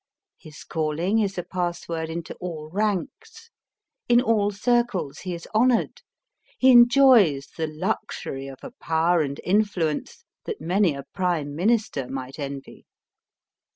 His calling is a password into all ranks. In all circles he is honoured. He enjoys the luxury of a power and influence that many a prime minister might envy.